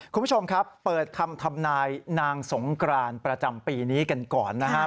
คุณผู้ชมครับเปิดคำทำนายนางสงกรานประจำปีนี้กันก่อนนะฮะ